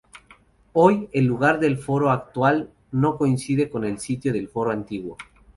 Hoy, el lugar del foro actual no coincide con el sitio del foro antiguo.